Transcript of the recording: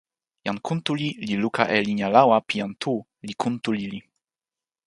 jan Kuntuli li luka e linja lawa pi jan Tu, li kuntu lili.